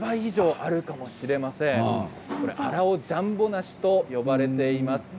荒尾ジャンボ梨と呼ばれています。